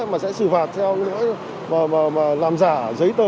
mà sẽ xử phạt theo cái lỗi mà làm giả giấy tờ